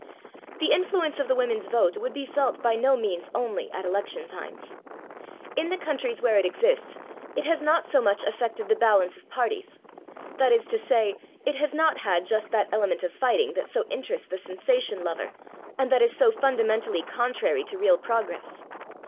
The influence of the women's vote would be felt by no means only at election times. In the countries where it exists it has not so much affected the balance of parties; that is to say, it has not had just that element of fighting that so interests the sensation lover and that is so fundamentally contrary to real progress.